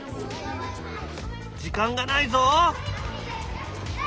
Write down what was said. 時間がないぞ！